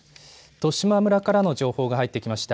十島村からの情報が入ってきました。